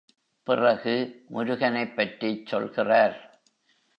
பிறகு முருகனைப் பற்றிச் சொல்கிறார்.